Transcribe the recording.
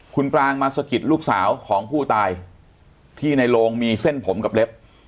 คุณปรางมาสะกิดลูกสาวของผู้ตายที่ในโรงมีเส้นผมกับเล็บ